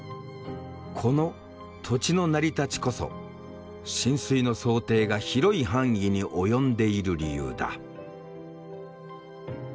この土地の成り立ちこそ浸水の想定が広い範囲に及んでいる理由だ。